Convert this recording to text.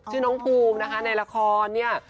ชื่อน้องภูมินะคะในละครเนี่ย